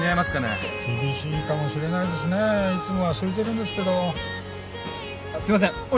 すいません。